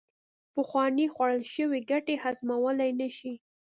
پخوانې خوړل شوې ګټې هضمولې نشي